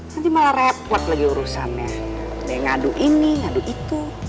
nanti malah repot lagi urusannya nggak ada yang ngadu ini ngadu itu